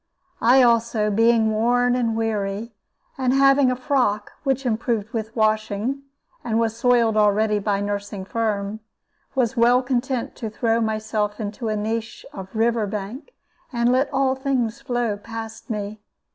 I also, being worn and weary, and having a frock which improved with washing, and was spoiled already by nursing Firm, was well content to throw myself into a niche of river bank and let all things flow past me.